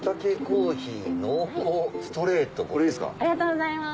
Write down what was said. ありがとうございます